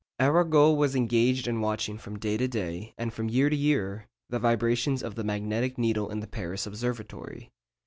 Arago was engaged in watching from day to day, and from year to year, the vibrations of the magnetic needle in the Paris Observatory.